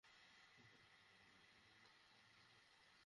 স্থানীয় প্রশাসন থেকে সাত দিন মেলা পরিচালানার জন্য অনুমতি নেওয়া হয়।